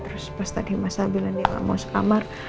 terus pas tadi mas al bilang dia gak mau sekamar